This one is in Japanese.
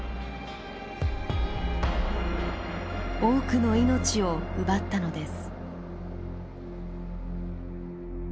多くの命を奪ったのです。